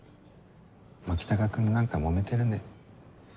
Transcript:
牧高君何かもめてるね。